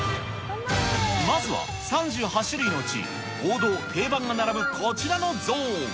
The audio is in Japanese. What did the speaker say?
まずは３８種類のうち、王道、定番が並ぶこちらのゾーン。